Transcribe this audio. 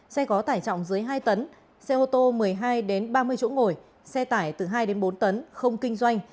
xe có tải trọng dưới hai tấn xe ô tô một mươi hai ba mươi chỗ ngồi xe tải từ hai đến bốn tấn không kinh doanh